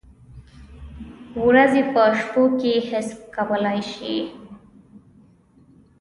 ورځې په شپو کې حذف کولای شي؟